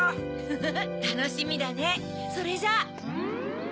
フフフたのしみだねそれじゃあ！